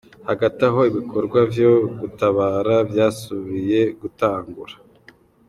Hagati aho ibikorwa vyo gutabara vyasubiye gutangura.